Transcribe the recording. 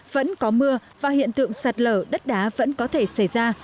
vẫn có mưa và hiện tượng sạt lở đất đá vẫn có thể xảy ra